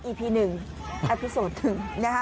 อีพีหนึ่งอัพิสดิ์สองหนึ่งนะฮะ